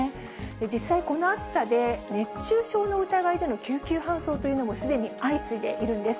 実際、この暑さで熱中症の疑いでの救急搬送というのもすでに相次いでいるんです。